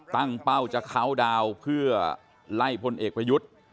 ตั้งเป้าจะคาวดาวน์เพื่อไล่คนเอกประยุทธ์